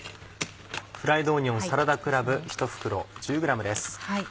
「フライドオニオンサラダクラブ」ひと袋１０ｇです。